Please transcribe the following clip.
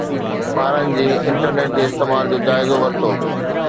ٻارن جي انٽرنيٽ جي استعمال جو جائزو ورتو